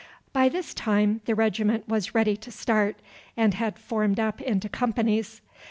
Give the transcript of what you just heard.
By this time the regiment was ready to start, and had formed up into companies.